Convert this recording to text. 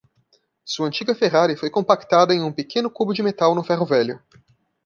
Sua antiga Ferrari foi compactada em um pequeno cubo de metal no ferro-velho.